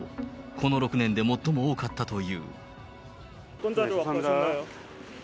この６年で最も多かったという。